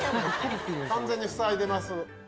完全にふさいでます。